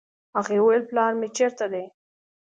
هغې وويل پلار مې چېرته دی.